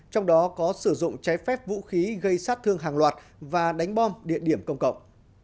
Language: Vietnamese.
trong đó có sử dụng trái phép vũ khí gây sát thương hàng loạt và đánh bom địa điểm công cộng